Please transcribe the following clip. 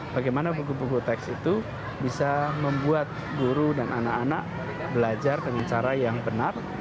bagaimana buku buku teks itu bisa membuat guru dan anak anak belajar dengan cara yang benar